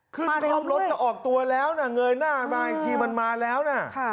ครอบรถจะออกตัวแล้วนะเงยหน้ามาอีกทีมันมาแล้วนะ